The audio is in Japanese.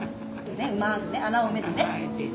うまくね穴を埋めるね。